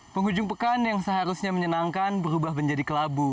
penghujung pekan yang seharusnya menyenangkan berubah menjadi kelabu